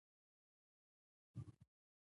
د زابل په شاجوی کې د مرمرو نښې شته.